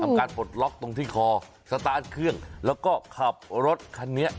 การปลดล็อกตรงที่คอสตาร์ทเครื่องแล้วก็ขับรถคันนี้